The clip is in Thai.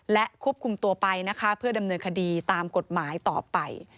และควบคุมตัวไปนะคะเพื่อดำเนินคดีตามกฎหมายต่อไป